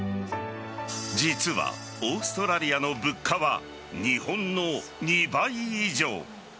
実はオーストラリアの物価は日本の２倍以上。